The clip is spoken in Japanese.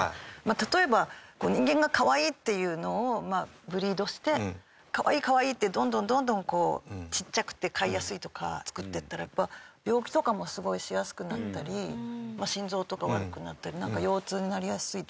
例えば、人間が可愛いっていうのをブリードして可愛い、可愛いってどんどん、どんどん、こうちっちゃくて飼いやすいとか作っていったら、やっぱ病気とかもすごい、しやすくなったり心臓とか悪くなったりなんか、腰痛になりやすいとか。